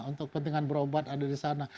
untuk kepentingan berobat ada di sana